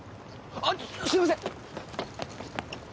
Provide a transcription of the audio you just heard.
あすいません